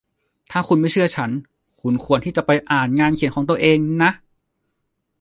ถ้าคุณไม่เชื่อฉัน คุณควรที่จะไปอ่านงานเขียนของตัวเองนะ